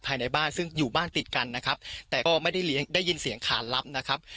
ภายในบ้านซึ่งอยู่บ้านติดกันนะครับแต่ก็ไม่ได้ได้ยินเสียงขานลับนะครับ